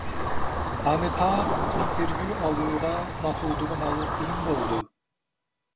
Аны таап, интервью алууга макулдугун алуу кыйын болду.